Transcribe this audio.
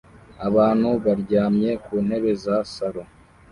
Abantu baryamye ku ntebe za salo